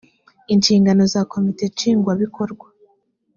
inshingano za komite nshingwabikorwa